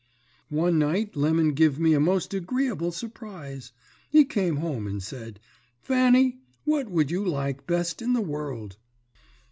"One night Lemon give me a most agreeable surprise. He came home and said: "'Fanny, what would you like best in the world?'